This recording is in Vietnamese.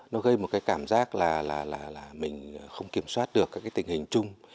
nó gây một cái cảm giác là mình không kiểm soát được các cái tình hình chung